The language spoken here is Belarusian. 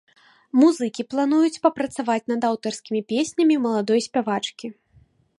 Музыкі плануюць папрацаваць над аўтарскімі песнямі маладой спявачкі.